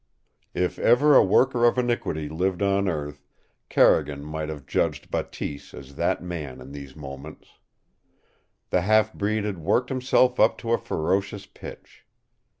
If ever a worker of iniquity lived on earth, Carrigan might have judged Bateese as that man in these moments. The half breed had worked himself up to a ferocious pitch.